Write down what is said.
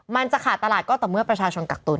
มันจะขาดตลาดก็ต่อเมื่อประชาชนกักตุน